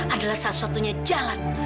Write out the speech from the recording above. adalah salah satunya jalan